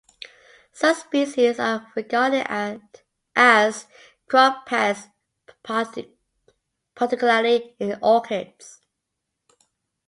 Some species are regarded as crop pests, particularly in orchards.